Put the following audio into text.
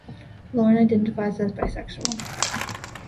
Lauren identifies as bisexual.